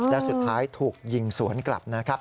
และสุดท้ายถูกยิงสวนกลับนะครับ